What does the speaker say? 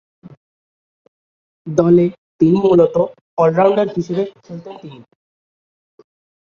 দলে তিনি মূলতঃ অল-রাউন্ডার হিসেবে খেলতেন তিনি।